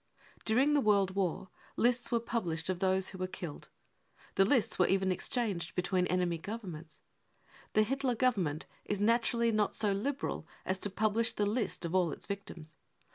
During the world war list§ were published of those who were killed. The lists were even exchanged between '! enemy governments. The Hitler Government is naturally not so " liberal 55 as to publish the list of all its victims.